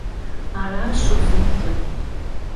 Аращ щӀозмытыр!